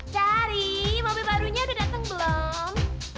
daddy mobil barunya udah datang belum